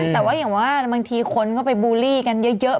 แต่ว่าบางทีคนก็ไปบูลลี่กันเยอะ